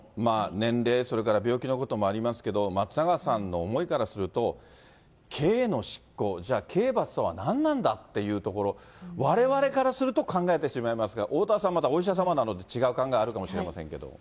年齢、それから病気のこともありますけれども、松永さんの思いからすると、刑の執行、じゃあ、刑罰とは何なんだというところ、われわれからすると考えてしまいますが、おおたわさんはまたお医者様なので、違う考えあるかもしれませんけれども。